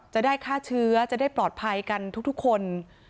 จะได้ฆ่าเชื้อจะได้ปลอดภัยกันทุกคน